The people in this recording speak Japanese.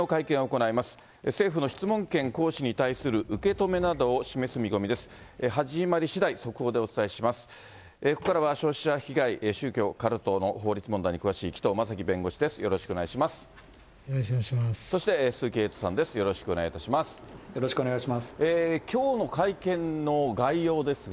ここからは消費者被害、宗教、カルトの法律問題に詳しい紀藤正樹弁護士です。